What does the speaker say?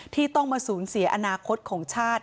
ที่ต้องมาสูญเสียอนาคตของชาติ